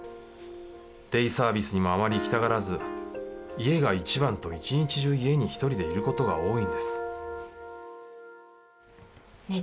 デイサービスにもあまり行きたがらず「家が一番」と一日中家に一人でいる事が多いんですねえ